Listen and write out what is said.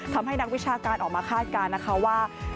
ทำให้นักวิชาการออกมาคาดการณ์นะคะว่า